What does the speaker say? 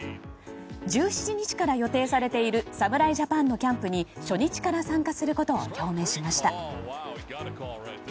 １７日から予定されている侍ジャパンのキャンプに初日から参加することを表明しました。